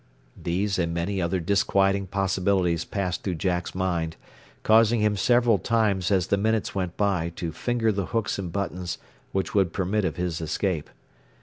These and many other disquieting possibilities passed through Jack's mind, causing him several times as the minutes went by to finger the hooks and buttons which would permit of his escape.